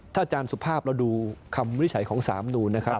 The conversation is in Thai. ถ้าอาจารย์สุภาพเราดูคำวิชัยของสารรัฐมนูลนะครับ